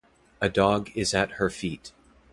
A dog is at her feet.